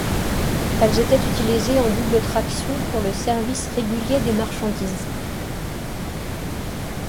Elles étaient utilisées en double traction pour le service régulier des marchandises.